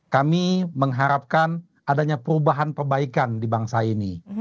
kami mengharapkan adanya perubahan perbaikan di bangsa ini